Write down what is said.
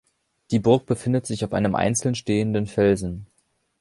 Die Burg befindet sich auf einem einzeln stehenden Felsen.